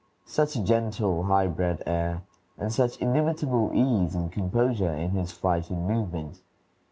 Such a gentle, high bred air, and such inimitable ease and composure in his flight and movement!